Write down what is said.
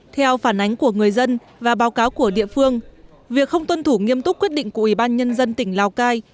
theo phản ánh của người dân và báo cáo của địa phương việc không tuân thủ nghiêm túc quyết định của ubnd tỉnh lào cai